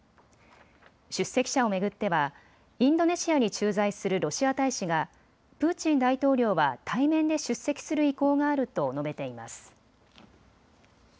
出席者を巡ってはインドネシアに駐在するロシア大使がプーチン大統領は対面で出席する意向があると述べています。